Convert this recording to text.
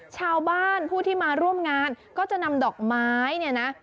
ชาวบ้านผู้ที่มาร่วมงานก็จะนำดอกไม้เนี่ยนะ